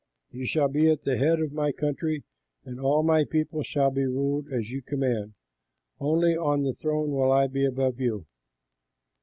You shall be at the head of my country, and all my people shall be ruled as you command. Only on the throne I will be above you."